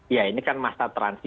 ya ini kan masa transisi ya mbak ya